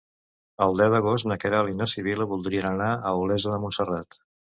El deu d'agost na Queralt i na Sibil·la voldrien anar a Olesa de Montserrat.